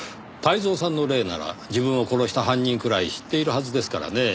泰造さんの霊なら自分を殺した犯人くらい知っているはずですからねぇ。